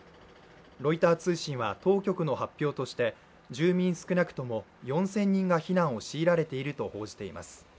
ロイター通信は当局の発表として住民少なくとも４０００人が避難を強いられていると報じています。